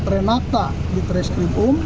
empat renakta di trashcrim um